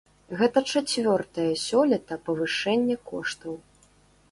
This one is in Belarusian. Гэта чацвёртае сёлета павышэнне коштаў.